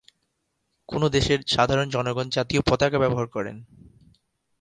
কোন দেশের সাধারণ জনগণ জাতীয় পতাকা ব্যবহার করেন।